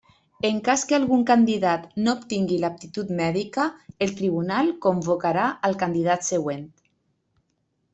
En cas que algun candidat no obtingui l'aptitud mèdica, el tribunal convocarà al candidat següent.